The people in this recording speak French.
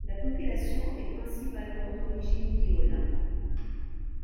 La population est principalement d'origine diola.